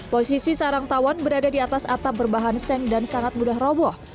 posisi sarang tawon berada di atas atap berbahan seng dan sangat mudah roboh